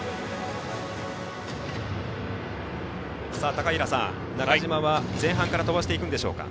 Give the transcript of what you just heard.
高平さん、中島は前半から飛ばすんでしょうか。